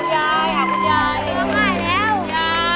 ยาย